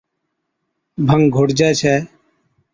ڀنگ گھوٽجي ڇَي